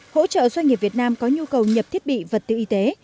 hỗ trợ doanh nghiệp việt nam có nhu cầu nhập thiết bị vật tư y tế